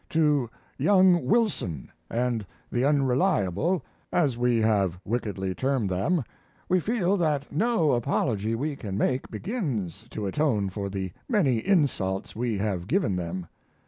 To "Young Wilson" and The Unreliable (as we have wickedly termed them), we feel that no apology we can make begins to atone for the many insults we have given them.